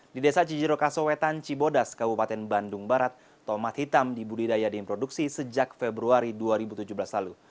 di desa cijirokasowetan cibodas kabupaten bandung barat tomat hitam dibudidaya dan diproduksi sejak februari dua ribu tujuh belas lalu